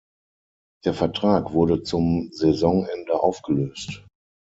Der Vertrag wurde zum Saisonende aufgelöst.